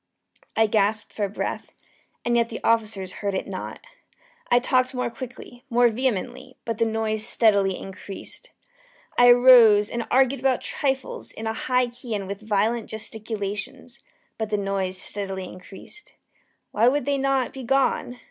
I gasped for breath and yet the officers heard it not. I talked more quickly more vehemently; but the noise steadily increased. I arose and argued about trifles, in a high key and with violent gesticulations; but the noise steadily increased. Why would they not be gone?